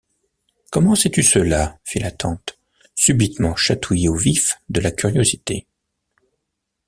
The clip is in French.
Comment sais-tu cela? fit la tante, subitement chatouillée au vif de la curiosité.